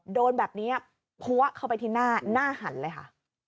โดนแบบนี้พัวเข้าไปที่หน้าหน้าหันเลยค่ะ